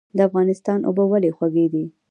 د افغانستان اوبه ولې خوږې دي؟